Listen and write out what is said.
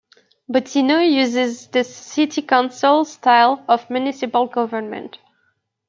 Bottineau uses the city council style of municipal government.